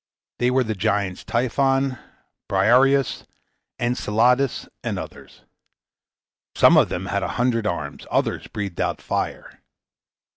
They were the giants Typhon, Briareus, Enceladus, and others. Some of them had a hundred arms, others breathed out fire.